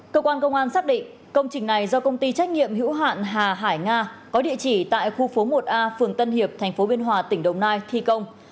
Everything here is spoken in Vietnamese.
cơ quan công an xác định công trình này do công ty trách nhiệm hữu hạn hà hải nga có địa chỉ tại khu phố một a phường tân hiệp tp biên hòa tỉnh đồng nai thi công